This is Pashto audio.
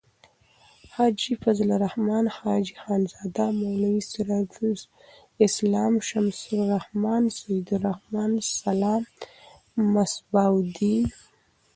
حاجی فضل الرحمن. حاجی خانزاده. مولوی سراج السلام. شمس الرحمن. سعیدالرحمن.سلام.مصباح الدین